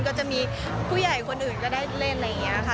ก็จะมีผู้ใหญ่คนอื่นก็ได้เล่นอะไรอย่างนี้ค่ะ